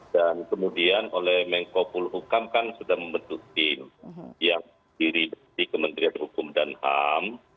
dan kemudian oleh mengkopul hukam kan sudah membentuk tim yang diri di kementerian hukum dan ham